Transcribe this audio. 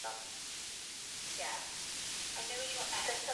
Lakini upendo wa vijana hawa ni mkubwa sana kiasi kuwa hufanya vitu vinavyofanana